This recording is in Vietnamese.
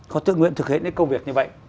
họ tự nguyện thực hiện cái công việc như vậy